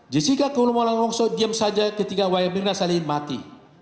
jessica kulomolang wongso diam saja ketika wayamirna salihin mati